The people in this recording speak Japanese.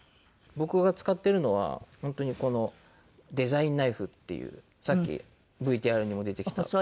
僕が使ってるのは本当にこのデザインナイフっていうさっきＶＴＲにも出てきた。